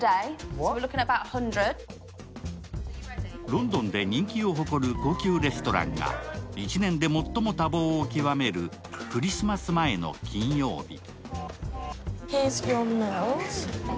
ロンドンで人気を誇る高級レストランが１年で最も多忙をきわめるクリスマス前の金曜日。